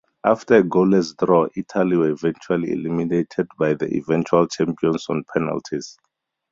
After a goalless draw, Italy were eventually eliminated by the eventual champions on penalties.